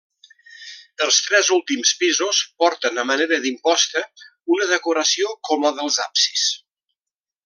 Els tres últims pisos porten a manera d'imposta una decoració com la dels absis.